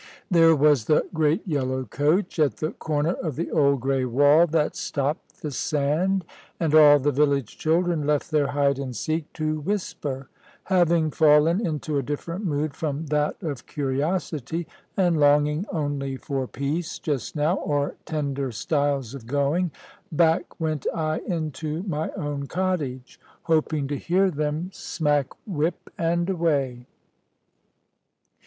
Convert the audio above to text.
There was the great yellow coach at the corner of the old grey wall that stopped the sand; and all the village children left their "hide and seek" to whisper. Having fallen into a different mood from that of curiosity, and longing only for peace just now, or tender styles of going, back went I into my own cottage, hoping to hear them smack whip and away.